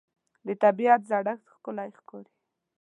د طبیعت زړښت ښکلی ښکاري